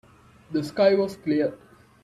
The sky was clear.